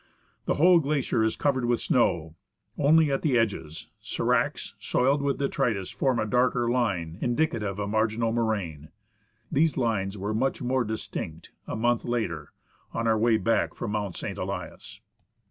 The whole glacier is covered with snow ; only at the edges, sSracs, soiled with detritus, form a darker line indicative of marginal moraine. These lines were much more distinct a month later, on our way back from Mount St. Elias.